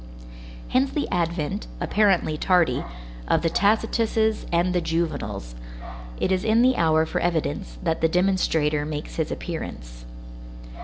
Hence the advent, apparently tardy, of the Tacituses and the Juvenals; it is in the hour for evidence, that the demonstrator makes his appearance.